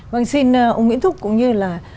vâng xin ông nguyễn thúc cũng như là